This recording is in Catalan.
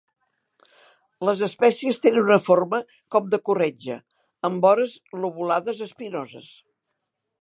Les espècies tenen una forma com de corretja, amb vores lobulades espinoses.